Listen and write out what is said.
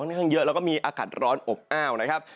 ข้างเยอะแล้วก็มีอากาศร้อนอบอ้าวนะครับ